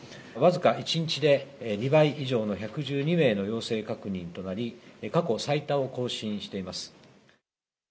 僅か１日で、２倍以上の１１２名の陽性確認となり、過去最多を更新しています。